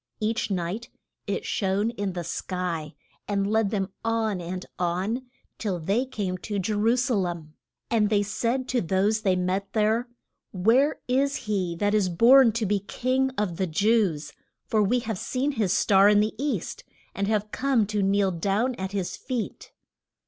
Each night it shone in the sky, and led them on and on till they came to Je ru sa lem. And they said to those they met there, Where is he that is born to be King of the Jews? for we have seen his star in the east, and have come to kneel down at his feet.